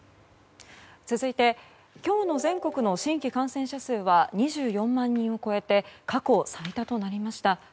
続いて、今日の全国の新規感染者数は２４万人を超えて過去最多となりました。